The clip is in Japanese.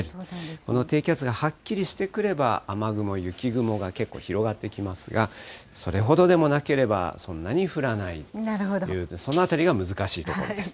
この低気圧がはっきりしてくれば、雨雲、雪雲が結構広がってきますが、それほどでもなければ、そんなに降らないという、そのあたりが難しいところです。